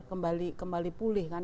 kembali pulih kan